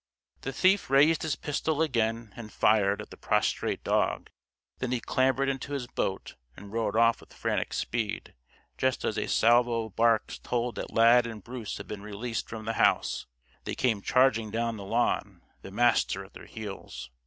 The thief raised his pistol again and fired at the prostrate dog, then he clambered into his boat and rowed off with frantic speed, just as a salvo of barks told that Lad and Bruce had been released from the house; they came charging down the lawn, the Master at their heels.